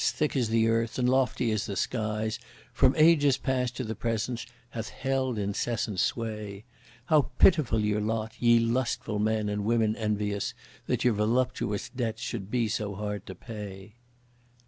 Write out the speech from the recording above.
thick as the earth, and lofty as the skies, from ages past to the present hath held incessant sway; How pitiful your lot! ye lustful men and women envious, that your voluptuous debts should be so hard to pay!